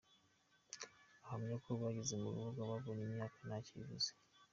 Ahamya ko bageze mu rugo yabonye imyaka ntacyo ivuze.